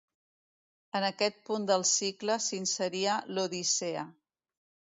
En aquest punt del cicle s'inseria l'Odissea.